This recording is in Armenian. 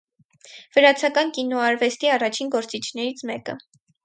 Վրացական կինոարվեստի առաջին գործիչներից մեկը։